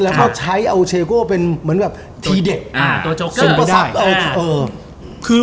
แล้วก็ใช้เอาเชโก้เป็นเหมือนแบบทีเด็ดสม